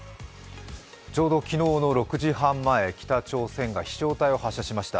ちょうど昨日の６時半前、北朝鮮が飛翔体を発射しました。